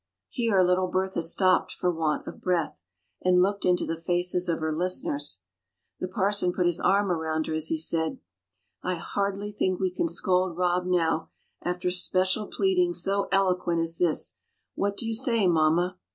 Here little Bertha stopped for want of breath, and looked into the faces of her listeners. The parson put his arm around her as he said, "I hardly think we can scold Rob now, after special pleading so eloquent as this; what do you say, mamma?"